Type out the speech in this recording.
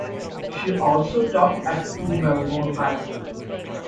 She also taught at two Melbourne high schools.